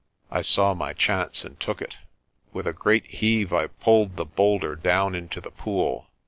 I saw my chance and took it. With a great heave I pulled the boulder down into the pool.